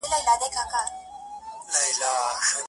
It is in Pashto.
داسې حیرانه حیراني به دې له ما سره وه